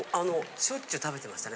しょっちゅう食べてましたね。